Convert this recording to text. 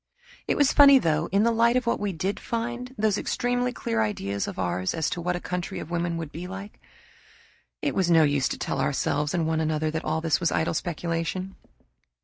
It was funny though, in the light of what we did find, those extremely clear ideas of ours as to what a country of women would be like. It was no use to tell ourselves and one another that all this was idle speculation.